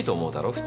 普通。